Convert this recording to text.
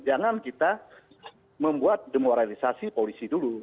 jangan kita membuat demoralisasi polisi dulu